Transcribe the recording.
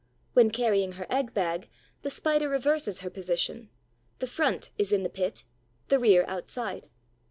When carrying her egg bag the Spider reverses her position: the front is in the pit, the rear outside.